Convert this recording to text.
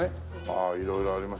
ああ色々あります